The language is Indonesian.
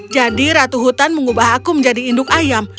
jadi ratu hutan mengubah aku menjadi induk ayam